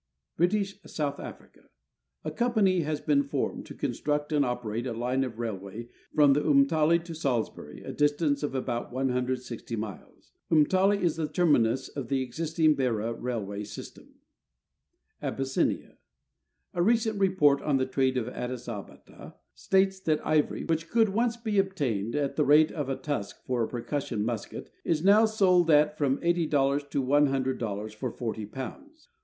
British South Africa. A company has been formed to construct and operate a line of railway from Umtali to Salisbury, a distance of about 160 miles. Umtali is the terminus of the existing Beira railway system. Abyssinia. A recent report on the trade of Adis Abbata states that ivory, which could once be obtained at the rate of a tusk for a pei'cus sion musket, is now sold at from $80 to $100 for 40 pounds.